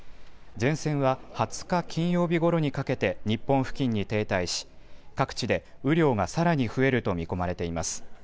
前線は２０日金曜日ごろにかけて日本付近に停滞し各地で雨量がさらに増えると見込まれています。